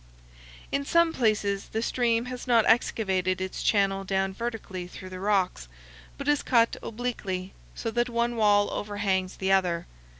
In some places the stream has not excavated its channel down vertically through the rocks, but has cut obliquely, so that one wall overhangs the other.